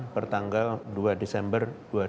pertanggal dua desember dua ribu dua puluh